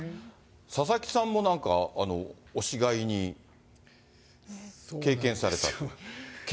佐々木さんもなんか押し買いに、経験されたと。